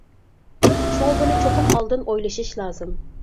شۇڭا بۇنى چوقۇم ئالدىن ئويلىشىش لازىم.